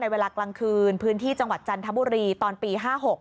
เวลากลางคืนพื้นที่จังหวัดจันทบุรีตอนปี๕๖